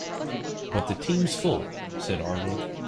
"But the team's full," said Arlo.